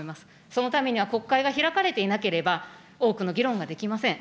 そのためには国会が開かれていなければ、多くの議論ができません。